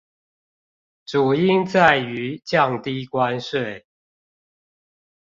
主因在於降低關稅